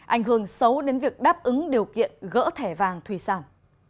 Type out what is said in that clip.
ảnh hưởng xấu đến việc đáp ứng điều kiện gỡ thẻ vàng thủy sản